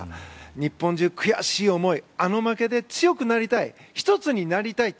日本中悔しい思いあの負けで強くなりたい１つになりたい。